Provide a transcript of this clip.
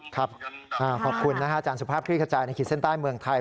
ขอบคุณนะฮะอาจารย์สุภาพคลิกขจายในขีดเส้นใต้เมืองไทย